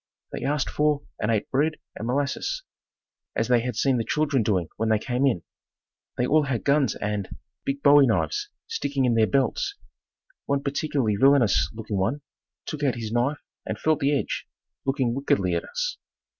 They asked for and ate bread and molasses, as they had seen the children doing when they came in. They all had guns and, big bowie knives sticking in their belts. One particularly villainous looking one took out his knife and felt the edge, looking wickedly at us.